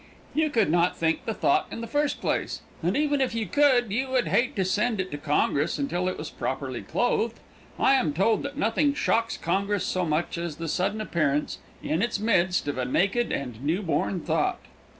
You could not think the thought in the first place, and even if you could you would hate to send it to congress until it was properly clothed. I am told that nothing shocks congress so much as the sudden appearance "in its midst" of a naked and new born thought.